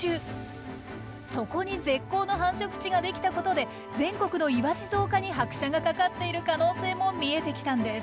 そこに絶好の繁殖地ができたことで全国のイワシ増加に拍車がかかっている可能性も見えてきたんです。